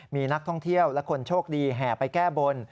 มีนักท่องเที่ยวและคนโชคดีแห่ไปแก้บน